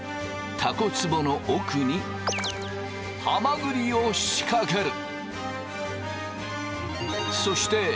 たこつぼの奥にハマグリを仕掛ける。